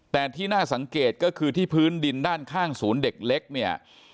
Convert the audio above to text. แต่ที่น่าสังเกตก็คือที่พื้นดินด้านข้างศูนย์เด็กเล็กเนี่ย